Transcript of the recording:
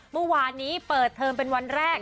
เมื่อวานนี้เปิดเทอมเป็นวันแรก